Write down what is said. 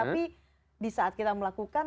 tapi disaat kita melakukan